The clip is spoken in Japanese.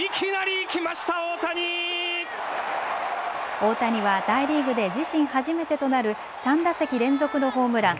大谷は大リーグで自身初めてとなる３打席連続のホームラン。